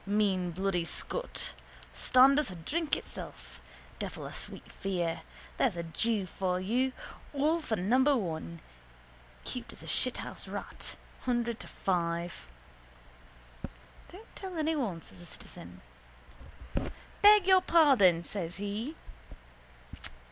Mean bloody scut. Stand us a drink itself. Devil a sweet fear! There's a jew for you! All for number one. Cute as a shithouse rat. Hundred to five. —Don't tell anyone, says the citizen. —Beg your pardon, says he.